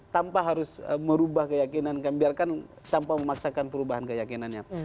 tanpa harus merubah keyakinan kami biarkan tanpa memaksakan perubahan keyakinannya